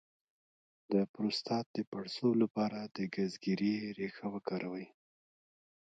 د پروستات د پړسوب لپاره د ګزګیرې ریښه وکاروئ